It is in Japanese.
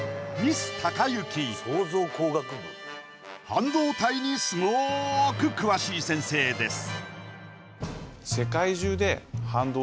半導体にすごく詳しい先生です